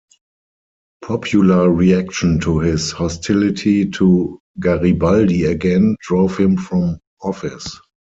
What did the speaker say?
Popular reaction to his hostility to Garibaldi again drove him from office.